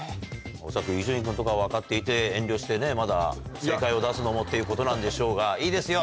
伊集院君とか分かっていて遠慮してねまだ正解を出すのもっていうことなんでしょうがいいですよ